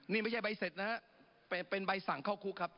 นี่ไม่ใช่ใบเสร็จนะครับเป็นใบสั่งเข้าคุกครับ